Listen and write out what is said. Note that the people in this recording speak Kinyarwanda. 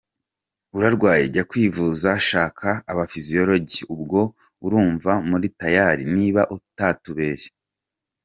Urarwaye jya kwivuza shaka aba psychologues ubwo c urunva muri tayali, niba utatubeshye.